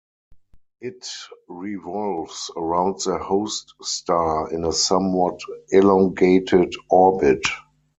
It revolves around the host star in a somewhat elongated orbit.